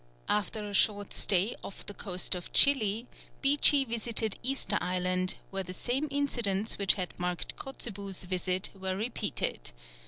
After a short stay off the coast of Chili, Beechey visited Easter Island, where the same incidents which had marked Kotzebue's visit were repeated.